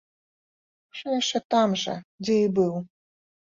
Усё яшчэ там жа, дзе і быў.